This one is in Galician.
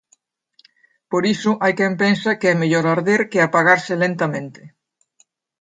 Por iso hai quen pensa que é mellor arder que apagarse lentamente.